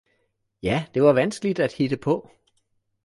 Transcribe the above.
Ja det var vanskeligt at hitte på